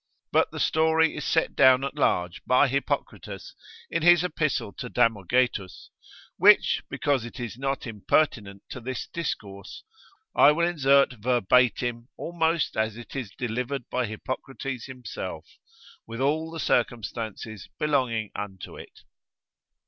But the story is set down at large by Hippocrates, in his epistle to Damogetus, which because it is not impertinent to this discourse, I will insert verbatim almost as it is delivered by Hippocrates himself, with all the circumstances belonging unto it.